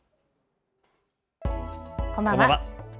こんばんは。